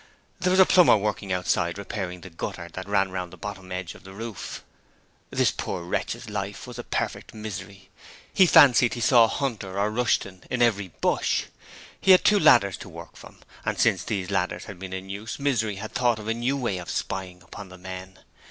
There was a plumber working outside repairing the guttering that ran round the bottom edge of the roof. This poor wretch's life was a perfect misery: he fancied he saw Hunter or Rushton in every bush. He had two ladders to work from, and since these ladders had been in use Misery had thought of a new way of spying on the men.